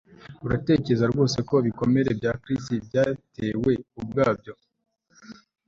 Uratekereza rwose ko ibikomere bya Chris byatewe ubwabyo